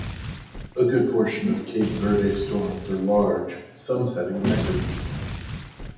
A good portion of Cape Verde storms are large, some setting records.